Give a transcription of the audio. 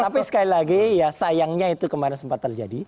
tapi sekali lagi ya sayangnya itu kemarin sempat terjadi